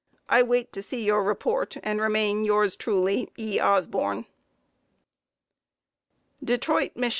I wait to see your report, and remain, Yours truly, E. Osborn. Detroit, Mich.